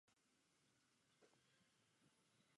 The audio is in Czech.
Manon na svého milence čeká před kostelem a opět ho svede.